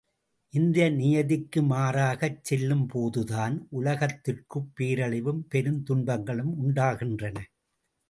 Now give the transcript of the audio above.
இந்த நியதிக்கு மாறாகச் செல்லும் போதுதான், உலகத்திற்குப் பேரழிவும், பெருந் துன்பங்களும் உண்டாகின்றன.